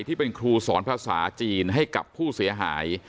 ที่เป็นครูสอนภาษาจีนให้กับผู้เสียหาย